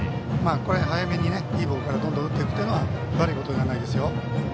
早めにいいボールからどんどん打っていくことは悪いことじゃないですよ。